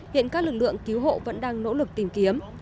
hiện các lực lượng cứu hộ vẫn đang nỗ lực tìm kiếm